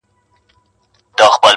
ګلدستې یې جوړوو د ګرېوانونو -